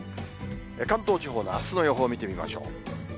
関東地方のあすの予報見てみましょう。